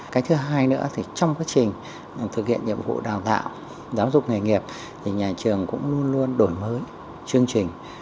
cái thứ hai nữa thì trong quá trình thực hiện nhiệm vụ đào tạo giáo dục nghề nghiệp thì nhà trường cũng luôn luôn đổi mới chương trình